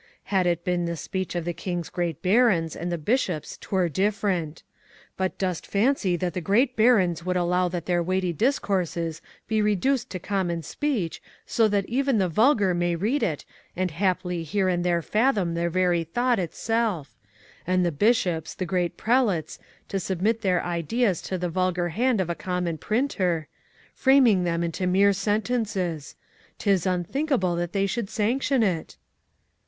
Had it been the speech of the King's great barons and the bishops 'twere different. But dost fancy that the great barons would allow that their weighty discourses be reduced to common speech so that even the vulgar may read it and haply here and there fathom their very thought itself, and the bishops, the great prelates, to submit their ideas to the vulgar hand of a common printer, framing them into mere sentences! 'Tis unthinkable that they would sanction it!"